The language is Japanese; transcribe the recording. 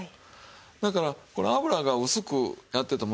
だからこれ油が薄くやってても。